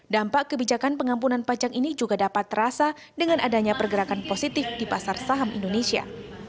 dampak kebijakan pengampunan pajak ini juga dapat terasa dengan adanya pergerakan positif di pasar saham indonesia